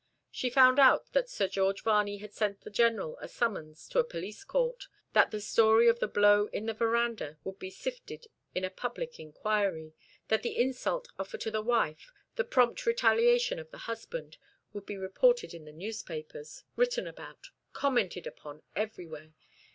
She found out that Sir George Varney had sent the General a summons to a police court; that the story of the blow in the verandah would be sifted in a public inquiry; that the insult offered to the wife, the prompt retaliation of the husband, would be reported in the newspapers, written about, commented upon everywhere.